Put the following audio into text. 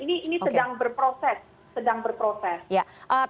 ini sedang berproses